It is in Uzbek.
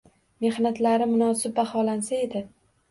Mehnatlari munosib baholansa edi.